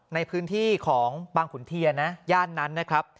ในพื้นที่ของบางขุนเทียนะย่านนั้นนะครับ